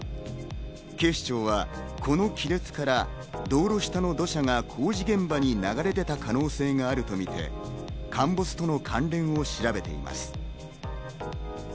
警視庁はこの亀裂から道路下の土砂が工事現場に流れでた可能性があるとみて、陥没との関連を調べています。